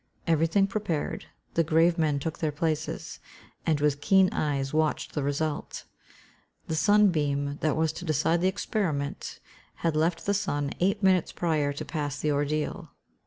Everything prepared, the grave men took their places, and with keen eyes watched the result. The sunbeam that was to decide the experiment had left the sun eight minutes prior to pass the ordeal.